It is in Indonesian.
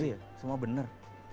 iya iya semua bener